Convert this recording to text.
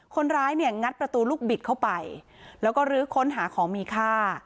คนร้ายเนี่ยงัดประตูลูกบิดเข้าไปแล้วก็ลื้อค้นหาของมีค่า